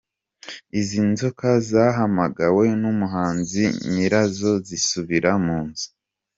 Izi nzoka zahamagawe n’umuhanzi nyirazo zisubira mu nzu.